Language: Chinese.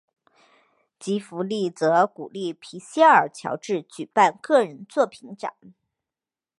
吉福利则鼓励皮耶尔乔治举办个人作品展。